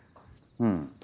うん。